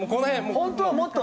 本当はもっと。